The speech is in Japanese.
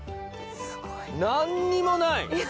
何にもない！